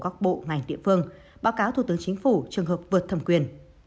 các bộ ngành địa phương báo cáo thủ tướng chính phủ trường hợp vượt thẩm quyền